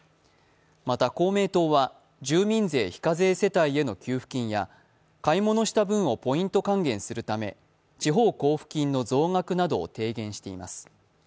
また公明党は、住民税非課税世帯への給付金や買い物した分をポイント還元するため、地方交付金の増額などを提言しています。